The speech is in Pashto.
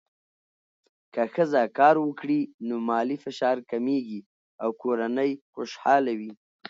که ښځه کار وکړي، نو مالي فشار کمېږي او کورنۍ خوشحاله وي.